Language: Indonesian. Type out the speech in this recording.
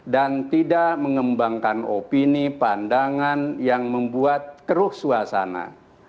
dan tidak mengembangkan opini pandangan yang membuat keruh suasana